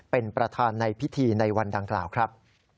เป็นประธานในพิธีในวันดังกล่าวครับ